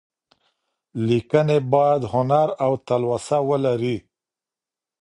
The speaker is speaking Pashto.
ليکنې بايد هنر او تلوسه ولري.